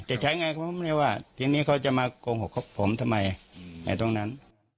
จะใช้ไงเขาก็ไม่ได้ว่าทีนี้เขาจะมาโกหกผมทำไมในตรงนั้น